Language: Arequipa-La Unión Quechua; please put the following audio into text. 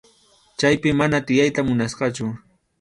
Chaypi mana tiyayta munasqachu.